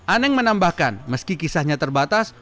aneng menambahkan meski kisahnya terbatas